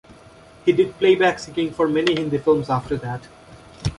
He did playback singing for many Hindi films after that.